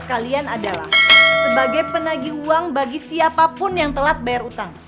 kalian adalah sebagai penagi uang bagi siapapun yang telat bayar utang